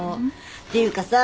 っていうかさ